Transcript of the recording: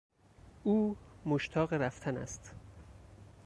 او مشتاق رفتن است.